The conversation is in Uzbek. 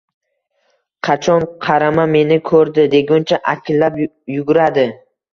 Qachon qarama, meni ko`rdi deguncha akillab yugurardi